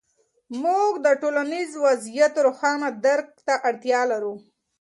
موږ د ټولنیز وضعیت روښانه درک ته اړتیا لرو.